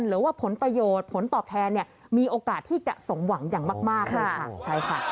หรือว่าผลประโยชน์ผลตอบแทนนี่มีโอกาสที่จะส่งหวังอย่างมากค่ะ